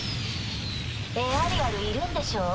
エアリアルいるんでしょ？